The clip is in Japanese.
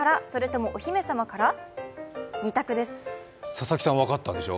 佐々木さん分かったでしょ？